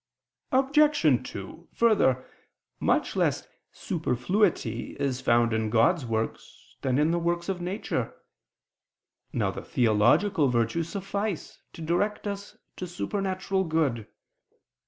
Obj. 2: Further, much less superfluity is found in God's works than in the works of nature. Now the theological virtues suffice to direct us to supernatural good.